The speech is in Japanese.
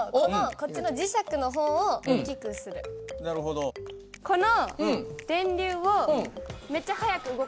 この電流をめっちゃ速く動かす。